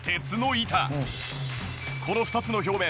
この２つの表面